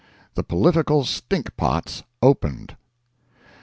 THE POLITICAL STINK POTS OPENED.